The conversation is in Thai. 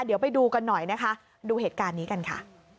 เดี๋ยวไปดูกันหน่อยนะคะดูเหตุการณ์นี้กันค่ะ